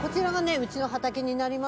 うちの畑になります。